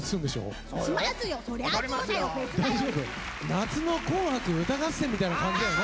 夏の『紅白歌合戦』みたいな感じだよね。